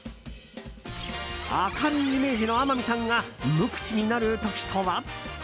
明るいイメージの天海さんが無口になる時とは？